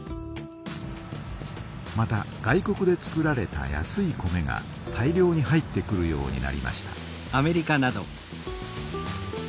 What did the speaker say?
また外国で作られた安い米が大量に入ってくるようになりました。